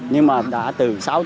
nhưng mà đã từ sáu tuổi